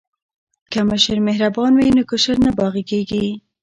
که مشر مهربان وي نو کشر نه باغی کیږي.